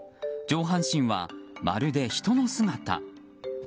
上半身は、まるで人の姿。